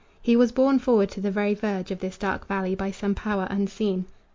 He was borne forward to the very verge Of this dark valley, by some power unseen.